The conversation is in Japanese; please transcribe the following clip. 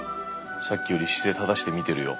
さっきより姿勢正して見てるよ。